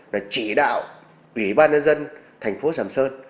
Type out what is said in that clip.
là chỉ đạo ủy ban nhân dân thành phố sầm sơn